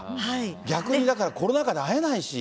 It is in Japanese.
逆にだからコロナ禍で会えないし。